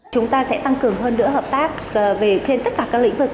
chúng ta sẽ tăng cường hơn nữa hợp tác trên tất cả các lĩnh vực